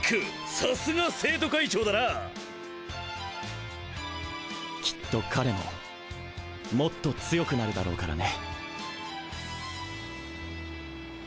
さすが生徒会長だなきっと彼ももっと強くなるだろうからね